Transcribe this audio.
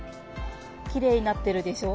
きれいになってるでしょう？